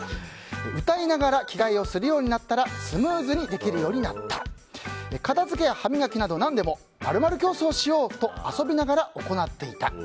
歌いながら着替えをするようになったらスムーズにできるようになったら片付けや歯磨きなど何でも○○競争しようと遊びながら行っていた。